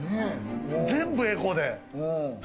全部エコで。